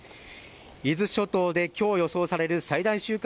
伊豆諸島できょう予想される最大瞬間